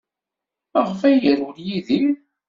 Maɣef ay yerwel Yidir?